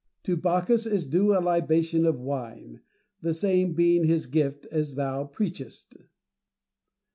To Bacchus is due a libation of wine ; the same being his gift, as thou preachest.